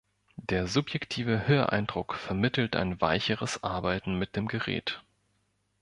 Der subjektive Höreindruck vermittelt ein weicheres Arbeiten mit dem Gerät.